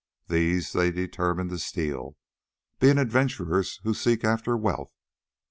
These they determined to steal, being adventurers who seek after wealth.